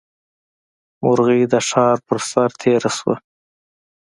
مرغۍ د ښار پر سر تېره شوه.